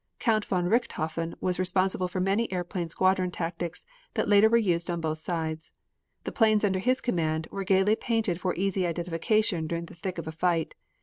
Count von Richthofen was responsible for many airplane squadron tactics that later were used on both sides. The planes under his command were gaily painted for easy identification during the thick of a fight.